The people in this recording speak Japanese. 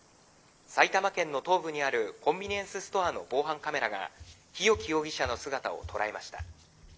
埼玉県の東部にあるコンビニエンスストアの防犯カメラが日置容疑者の姿を捉えました。